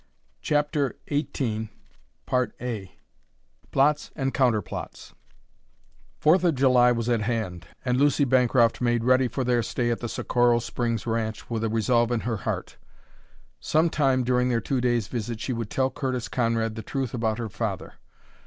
CHAPTER XVIII PLOTS AND COUNTERPLOTS Fourth of July was at hand, and Lucy Bancroft made ready for their stay at the Socorro Springs ranch with a resolve in her heart. Some time during their two days' visit she would tell Curtis Conrad the truth about her father.